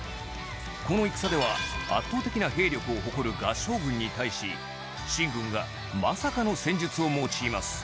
この戦では圧倒的な兵力を誇る合従軍に対し秦軍がまさかの戦術を用います